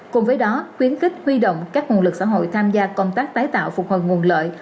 cùng với đó khuyến khích huy động các nguồn lực xã hội tham gia công tác tái tạo phục hồi nguồn lợi